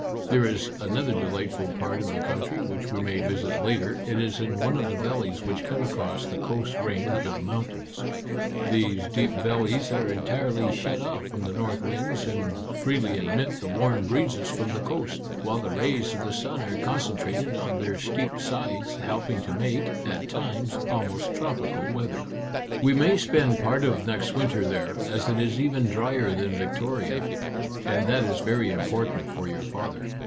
There is another delightful part of the country which we may visit later ; it is in one of the valleys which cut across the Coast Range of moun tains. These deep valleys are entirely shut off from the north winds, and freely admit the warm breezes from the coast, while the rays of the sun are concentrated on their steep sides, helping to make, at times, almost tropical weather. We may spend part of next winter there, as it is even drier than Victoria, and that is very important for your father.